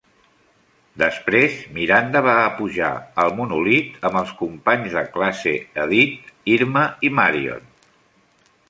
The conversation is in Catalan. Després, Miranda va a pujar el monòlit amb els companys de classe Edith, Irma i Marion.